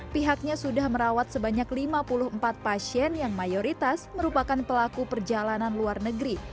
pihaknya sudah merawat sebanyak lima puluh empat pasien yang mayoritas merupakan pelaku perjalanan luar negeri